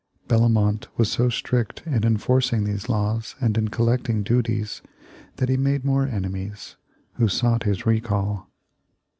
Bellomont was so strict in enforcing these laws and in collecting duties that he made more enemies, who sought his recall.